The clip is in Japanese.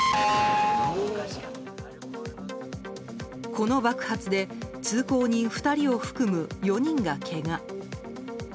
この爆発で通行人２人を含む４人がけが。